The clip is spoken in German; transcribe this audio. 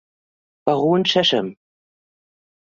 Baron Chesham.